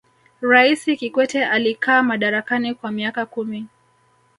raisi kikwete alikaa madarakani kwa miaka kumi